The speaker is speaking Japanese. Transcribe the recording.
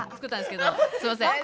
すいません。